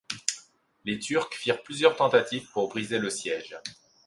Les Turcs firent plusieurs tentatives pour briser le siège.